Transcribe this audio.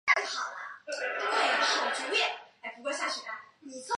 周旧邦木坊的历史年代为明代。